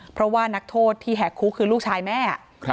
เพราะว่านักโทษที่แหกคุกคือลูกชายแม่